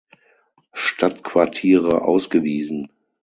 Stadtquartiere ausgewiesen.